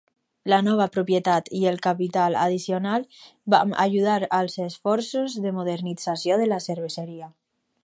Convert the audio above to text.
La nova propietat i el capital addicional van ajudar als esforços de modernització de la cerveseria.